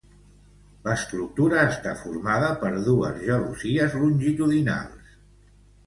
L'estructura està formada per dos gelosies longitudinals.